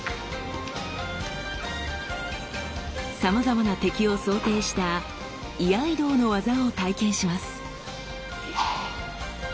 さまざまな敵を想定した居合道の技を体験します。